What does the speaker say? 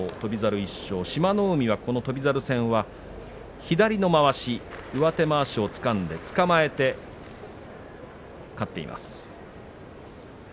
海は翔猿戦は左のまわし上手まわしをつかんでつかまえて勝っています。